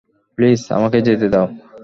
Please আমাকে যেতে দাও!